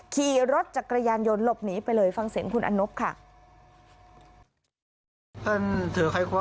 ขี่รถจักรยานยนต์หลบหนีไปเลยฟังเสียงคุณอนบค่ะ